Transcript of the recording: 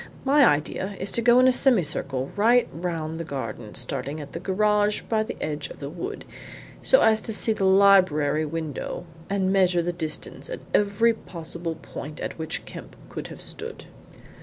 My idea is to go in a semicircle right round the garden, starting at the garage by the edge of the wood, so as to see the library window and measure the distance at every possible point at which Kemp could have stood."